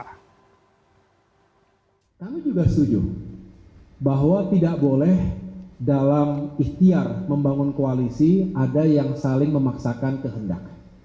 kami juga setuju bahwa tidak boleh dalam ikhtiar membangun koalisi ada yang saling memaksakan kehendak